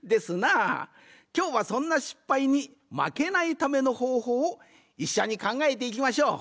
きょうはそんな失敗にまけないためのほうほうをいっしょにかんがえていきましょう。